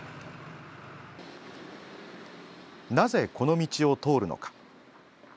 なぜ、この道を通るのか。